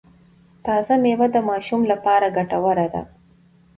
تازه میوه د ماشوم لپاره ګټوره ده۔